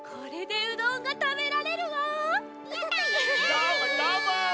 どーもどーも！